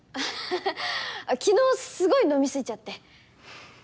昨日すごい飲み過ぎちゃって。